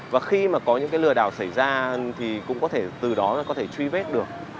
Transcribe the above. và khi mà có những cái lừa đảo xảy ra thì cũng có thể từ đó có thể truy vết được